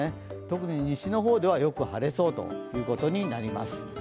特に西の方ではよく晴れそうということになります。